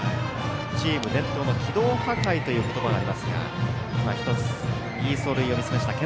チーム伝統の機動破壊という言葉がありますが今、１ついい走塁を見せました。